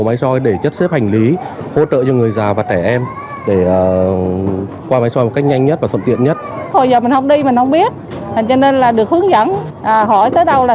hồi giờ mình không đi mình không biết cho nên là được hướng dẫn hỏi tới đâu là người ta chỉ tới đó là biết ngỡ mình đi